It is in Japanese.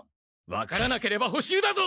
分からなければ補習だぞ！